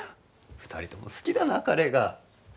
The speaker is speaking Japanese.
２人とも好きだなカレーが。